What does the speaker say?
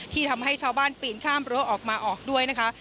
ทำให้ชาวบ้านปีนข้ามรั้วออกมาออกด้วยนะคะ